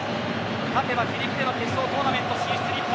勝てば自力での決勝トーナメント進出、日本。